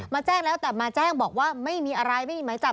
แจ้งแล้วแต่มาแจ้งบอกว่าไม่มีอะไรไม่มีหมายจับ